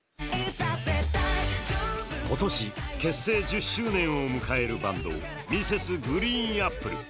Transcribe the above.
今年、結成１０周年を迎えるバンドＭｒｓ．ＧＲＥＥＮＡＰＰＬＥ。